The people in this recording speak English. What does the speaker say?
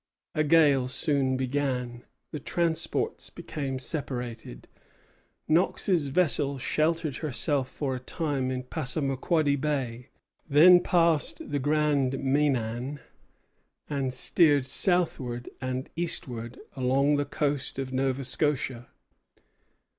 A gale soon began; the transports became separated; Knox's vessel sheltered herself for a time in Passamaquoddy Bay; then passed the Grand Menan, and steered southward and eastward along the coast of Nova Scotia.